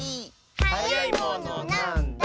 「はやいものなんだ？」